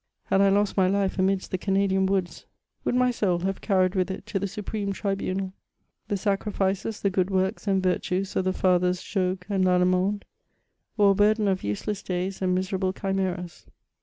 Had I lost my life amidst the Canadian woods, would my soul have carried with 276 MEMOIRS OF it to the Supreme tribunal, the sacrifices, the good works, and virtues of the Fathers Jogues and Lallemand, or a hurdea oi useless days and miserable chimeras